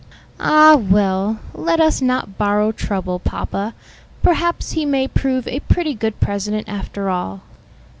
"Ah well, let us not borrow trouble, papa; perhaps he may prove a pretty good president after all."